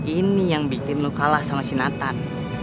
ini yang bikin lo kalah sama si nathan